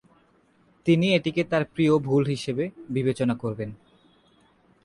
তিনি এটিকে তার "প্রিয় ভুল" হিসাবে বিবেচনা করবেন।